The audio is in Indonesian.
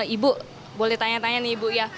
ibu boleh tanya tanya nih ibu ya